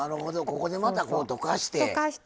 ここでまたこう溶かして。